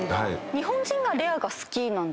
日本人がレアが好きなんですか？